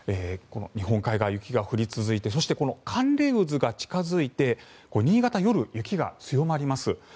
日本海側、雪が降り続いてそして、この寒冷渦が近付いて新潟、夜、雪が強まります。